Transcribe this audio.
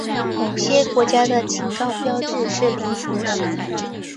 某些国家的警告标志是菱形的。